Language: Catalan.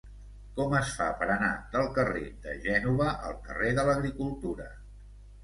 Com es fa per anar del carrer de Gènova al carrer de l'Agricultura?